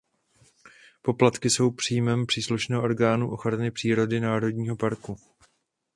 Poplatky jsou příjmem příslušného orgánu ochrany přírody národního parku.